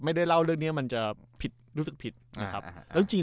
ไม่ได้เล่าเรื่องเนี้ยมันจะผิดรู้สึกผิดนะครับแล้วจริง